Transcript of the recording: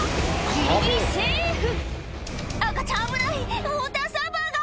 ギリギリセーフ！